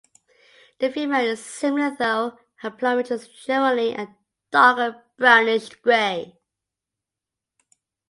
The female is similar, though her plumage is generally a darker brownish-grey.